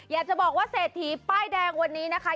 อยากจะบอกว่าเศรษฐีป้ายแดงวันนี้นะคะ